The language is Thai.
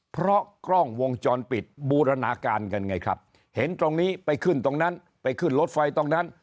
เพราะกล้องวงจรปิดบูรณาการกันไงครับเห็นตรงนี้ไปขึ้นตรงนั้นไปขึ้นรถไฟตรงนั้น